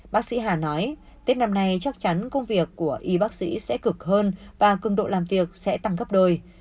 bác sĩ hà nói tết năm nay chắc chắn công việc của y bác sĩ sẽ cực hơn và cường độ làm việc sẽ tăng gấp đôi